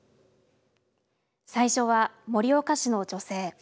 最初は盛岡市の女性。